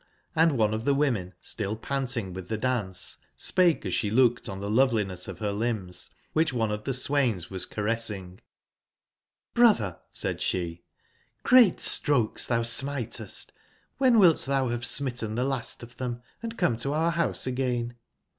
Hnd one of tbe women, still panting witb tbe dance, spake as sbe looked on tbe loveliness of ber limbs, wbicb one of tbe swains was caressing: ''Brotber," said sbe, *' great strokes tbou smitest; wben wilt tbou bave smitten tbe last of tbem, and come to our bouse again